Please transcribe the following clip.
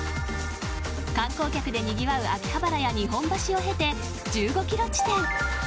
観光客でにぎわう秋葉原や日本橋を経て１５キロ地点。